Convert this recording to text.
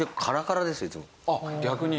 逆に。